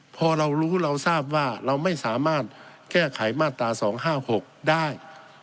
พอเรารู้เราทราบว่าเราไม่สามารถแก้ไขมาตรา๒๕๖ได้